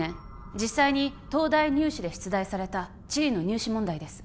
実際に東大入試で出題された地理の入試問題です